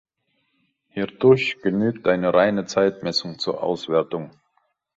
Hierdurch genügt eine reine Zeitmessung zur Auswertung.